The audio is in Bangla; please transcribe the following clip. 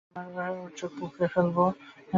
আমরা ওর চোখ উপড়ে ফেলব!